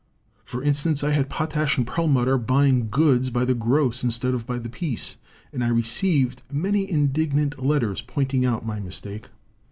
For instance, I had Potash and Perlmutter buying goods by the gross instead of by the piece. And I received many indignant letters pointing out my mistake.